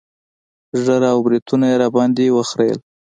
ږيره او برېتونه يې راباندې وخرييل.